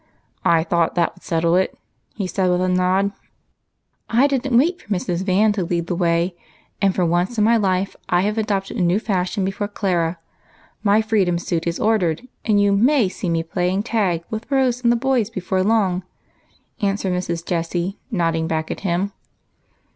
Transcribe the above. " I thought that would settle it," he said with a nod. " I did n't wait for Mrs. Van to lead the way, and 214 EIGHT COUSINS. for once in my life I have adopted a new fashion before Clara. My freedom suit is ordered, and you may see me playing tag with Rose and the boys before long," answered Mrs. Jessie, nodding back at him.